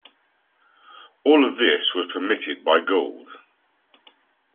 All of this was permitted by Gould.